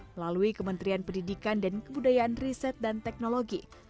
melalui kementerian pendidikan dan kebudayaan riset dan teknologi